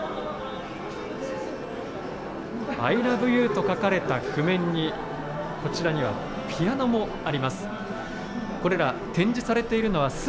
ＩＬＯＶＥＹＯＵと書かれた譜面に、こちらにはピアノもあります。